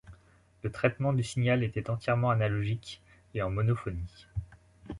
Le traitement du signal était entièrement analogique, et en monophonie.